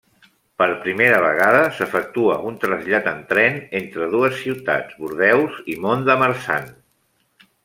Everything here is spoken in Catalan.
Per primera vegada s'efectua un trasllat en tren entre dues ciutats, Bordeus i Mont-de-Marsan.